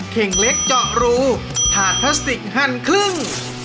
เข่งเล็กเจาะรูถาดพลาสติกหั่นครึ่ง